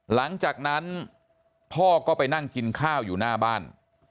หลังจากนั้นพ่อก็ไปนั่งกินข้าวอยู่หน้าบ้าน